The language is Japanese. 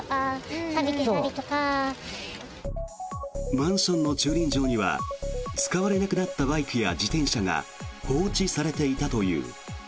マンションの駐輪場には使われなくなったバイクや自転車が放置されていたという。